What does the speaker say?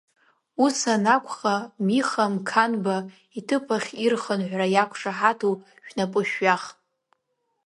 Ус анакәха, Миха Мқанба иҭыԥ ахь ирхынҳәра иақәшаҳаҭу шәнапы шәҩах!